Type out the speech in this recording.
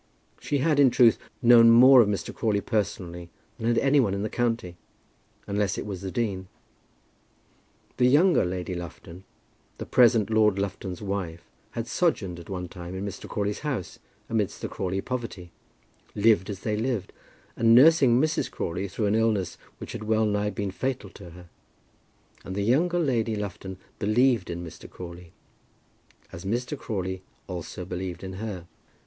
She had, in truth, known more of Mr. Crawley personally, than had any one in the county, unless it was the dean. The younger Lady Lufton, the present Lord Lufton's wife, had sojourned at one time in Mr. Crawley's house, amidst the Crawley poverty, living as they lived, and nursing Mrs. Crawley through an illness which had well nigh been fatal to her; and the younger Lady Lufton believed in Mr. Crawley, as Mr. Crawley also believed in her.